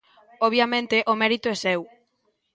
Obviamente o mérito é seu.